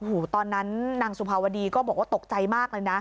โอ้โหตอนนั้นนางสุภาวดีก็บอกว่าตกใจมากเลยนะ